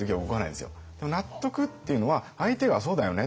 でも納得っていうのは相手が「そうだよね。